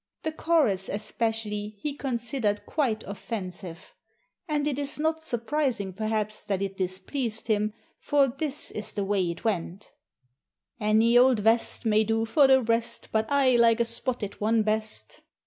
The chorus, especially, he considered quite offensive. And it is not surprising, perhaps, that it displeased him, for this is the way it went: "Any old vest May do for the rest; But I like a spotted one best!"